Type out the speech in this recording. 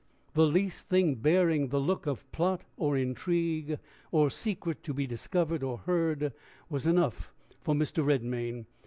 The least thing bearing the look of plot, or intrigue, or secret to be discovered or heard, was enough for Mr. Redmain.